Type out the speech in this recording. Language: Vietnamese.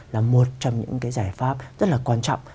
là một trong những cái giải pháp rất là quan trọng